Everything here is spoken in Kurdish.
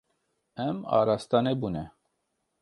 Em araste nebûne.